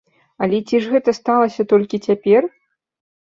Але ці ж гэта сталася толькі цяпер?